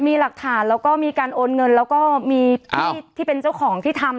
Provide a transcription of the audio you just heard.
มีหลักฐานแล้วก็มีการโอนเงินแล้วก็มีพี่ที่เป็นเจ้าของที่ทำ